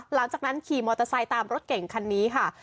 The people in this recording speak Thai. หลังจากนั้นขี่มอเตอร์ไซค์ตามรถเก่งคันนี้ค่ะ